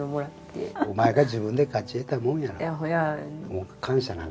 お前が自分で勝ち得たもんや。